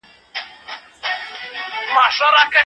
ډیپلوماټیک مهارتونه په مذاکراتو کي بریا راوړي.